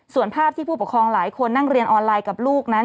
ส่วนภาพที่ผู้ปกครองหลายคนนั่งเรียนออนไลน์กับลูกนั้น